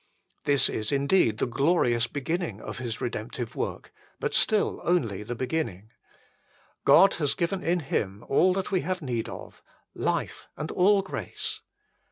This is indeed the glorious beginning of His redemptive work, but still only the beginning. God has given in Him all that we have need of : life and all grace.